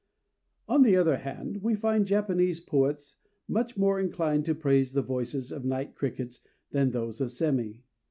_" On the other hand, we find Japanese poets much more inclined to praise the voices of night crickets than those of sémi.